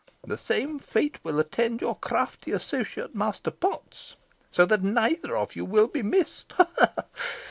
The same fate will attend your crafty associate, Master Potts so that neither of you will be missed ha! ha!"